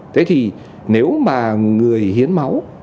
thế thì nếu mà người hiến máu